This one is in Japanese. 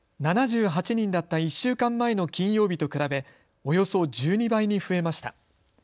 ７８人だった１週間前の金曜日と比べおよそ１２倍に増えました。